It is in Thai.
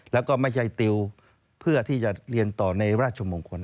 แล้วก็ไม่ใช่ติวเพื่อที่จะเรียนต่อในราชมงคล